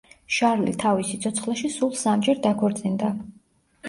შარლი თავის სიცოცხლეში სულ სამჯერ დაქორწინდა.